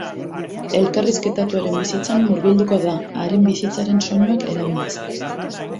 Elkarrizketatuaren bizitzan murgilduko da, haren bizitzaren soinuak erabiliz.